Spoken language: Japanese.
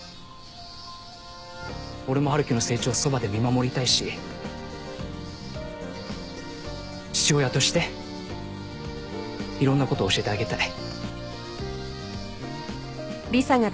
俺も春樹の成長をそばで見守りたいし父親としていろんなことを教えてあげたい。